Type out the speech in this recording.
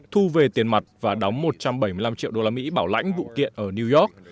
thu về tiền mặt và đóng một trăm bảy mươi năm triệu đô la mỹ bảo lãnh vụ kiện ở new york